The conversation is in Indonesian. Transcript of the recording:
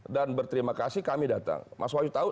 dan berterima kasih kami datang mas wawid tahu